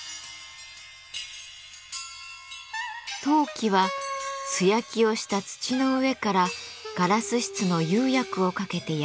陶器は素焼きをした土の上からガラス質の釉薬をかけて焼いたもの。